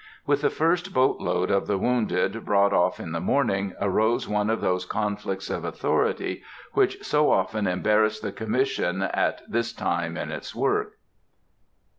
With the first boat load of the wounded brought off in the morning, arose one of those conflicts of authority which so often embarrassed the Commission at this time in its work.